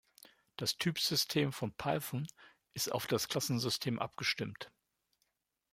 Das Typsystem von Python ist auf das Klassensystem abgestimmt.